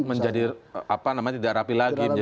menjadi apa namanya tidak rapi lagi